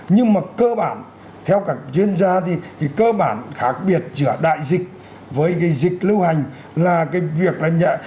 nhưng mà cơ bản theo các chuyên gia thì cái cơ bản khác biệt giữa đại dịch với cái dịch lưu hành là cái việc là nhẹ